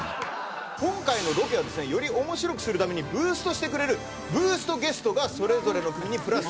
今回のロケはですねより面白くするためにブーストしてくれるブーストゲストがそれぞれの組にプラスされると。